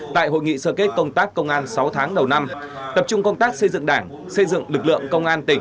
tại hội nghị sơ kết công tác công an sáu tháng đầu năm tập trung công tác xây dựng đảng